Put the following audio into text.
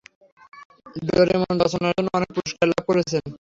Doraemon রচনার জন্য অনেক পুরস্কার লাভ করেছেন।